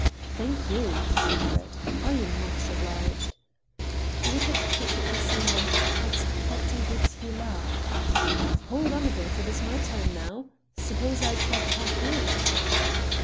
"Thank you," said Brett. "I am much obliged." He would have quitted the saloon, but Captain Gaultier laughed "Hold on a bit: it is my turn now. Suppose I try to pump you."